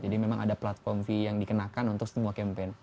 jadi memang ada platform fee yang dikenakan untuk semua campaign